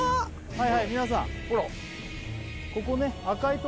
はいはい皆さん